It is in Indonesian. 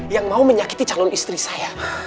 yang mau menyakiti calon istri saya